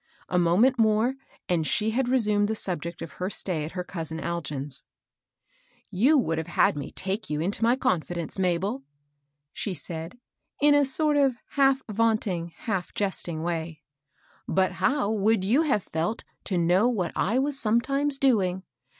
A moment more, and she had resumed the subject of her stay at her cousin Algin's. *' You would have had me take you into niy confidence, Mabel ?" she said, in a soak of half vaunting, half jesting way ;" but how would you have felt tp know what I was sometimes doing